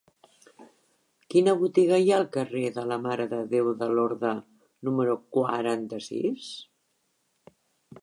Quina botiga hi ha al carrer de la Mare de Déu de Lorda número quaranta-sis?